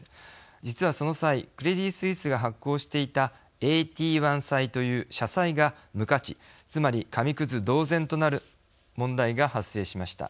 実はその際クレディ・スイスが発行していたＡＴ１債という社債が無価値つまり紙くず同然となる問題が発生しました。